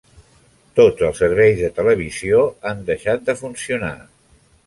Tots els serveis de televisió han deixat de funcionar.